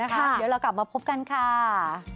เดี๋ยวเรากลับมาพบกันค่ะ